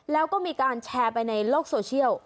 แล้วก็มีการแชร์ไปในโลกโซเชียล